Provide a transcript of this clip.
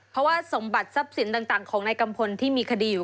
เพราะว่าสมบัติทรัพย์สินต่างของนายกัมพลที่มีคดีอยู่